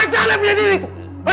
kacau lah punya diri itu